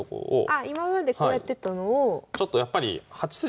あ今までこうやってたのを。